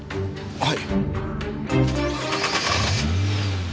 はい！